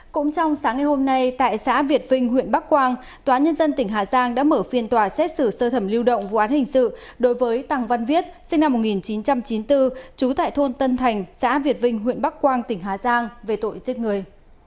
cũng trong sáng ngày hôm nay tại xã việt vinh huyện bắc quang tòa nhân dân tỉnh hà giang đã mở phiên tòa xét xử sơ thẩm lưu động vụ án hình sự đối với tằng văn viết sinh năm một nghìn chín trăm chín mươi bốn trú tại thôn tân thành xã việt vinh huyện bắc quang tỉnh hà giang về tội giết người